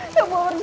kamu harus bertahan